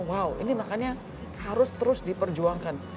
wow ini makanya harus terus diperjuangkan